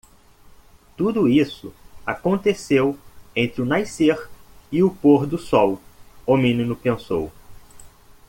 Tudo isso aconteceu entre o nascer eo pôr do sol? o menino pensou.